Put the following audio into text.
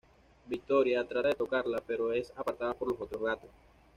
Victoria trata de tocarla, pero es apartada por los otros gatos.